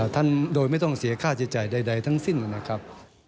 ท่านโดยไม่ต้องเสียค่าใช้จ่ายใดทั้งสิ้นนะครับ